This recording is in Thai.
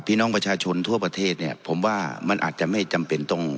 พี่น้องประชาชนทั่วประเทศเนี่ยผมว่ามันอาจจะไม่จำเป็นต้อง